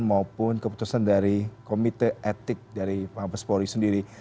maupun keputusan dari komite etik dari pahabes polri sendiri